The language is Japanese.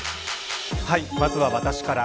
まずは私から。